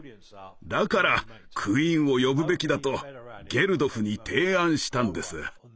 だからクイーンを呼ぶべきだとゲルドフに提案したんです。